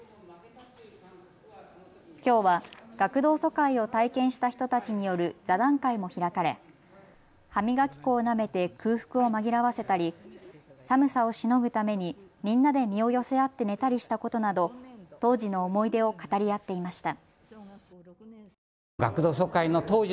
きょうは学童疎開を体験した人たちによる座談会も開かれ歯磨き粉をなめて空腹を紛らわせたり寒さをしのぐためにみんなで身を寄せ合って寝たりしたことなど当時の思い出を語り合っていました。